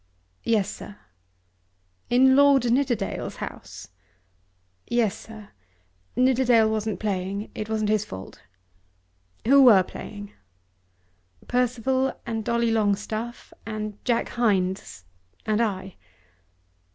"Yes, sir." "In Lord Nidderdale's house?" "Yes, sir. Nidderdale wasn't playing. It wasn't his fault." "Who were playing?" "Percival, and Dolly Longstaff, and Jack Hindes, and I.